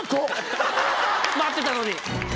待ってたのに。